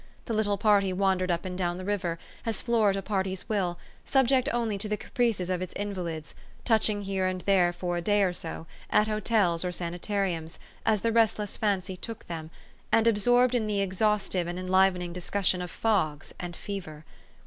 The little part}' wandered up and down the river, as Florida parties will, subject only to the caprices of its invalids, touching here and there for a day or so, at hotels or sanitariums, as the restless fancy took them, and absorbed in the exhaustive and 416 THE STORY OF AVIS. enlivening discussion of fogs and fever.